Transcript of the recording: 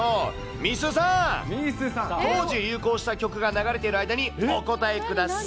みーすーさん、当時流行した曲が流れている間にお答えください。